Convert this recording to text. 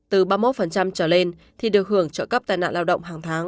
từ ba mươi một trở lên thì được hưởng trợ cấp tai nạn lao động hàng tháng